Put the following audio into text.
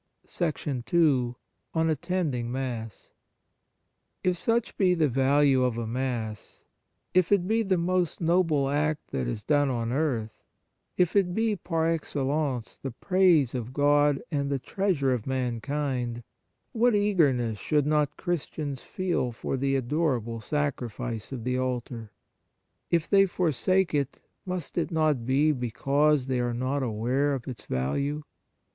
On the Exercises of Piety II On attending Mass If such be the value of a Mass, if it be the most noble act that is done on earth, if it be par excellence the praise of God and the treasure of mankind, what eagerness should not Christians feel for the adorable Sacrifice of the altar? If they for sake it, must it not be because they are not aware of its value